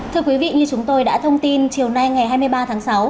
thưa quý vị như chúng tôi đã thông tin chiều nay ngày hai mươi ba tháng sáu